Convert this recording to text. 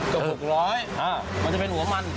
๔๘๐กว่า๖๐๐บาทมันจะเป็นหัวมัน